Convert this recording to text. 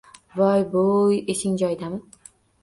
Voy-bo`y, esing joyidami